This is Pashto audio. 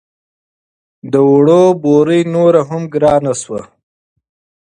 د وړو تروړه نوره هم ګرانه شوه